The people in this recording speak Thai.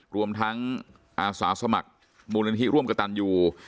รวมทั้งอาสาสมัครมูลนิธิร่วมกระตันอยู่